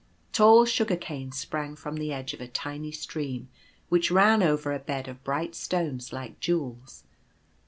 Tall Sugar canes sprang from the edge of a tiny stream which ran over a bed of bright stones like jewels.